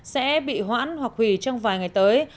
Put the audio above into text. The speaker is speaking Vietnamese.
sẽ bị hoãn hoặc hủy trong vài ngày tới